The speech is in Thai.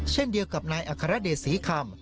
เช่นเดียวกับนายอัครเดชศรีคำ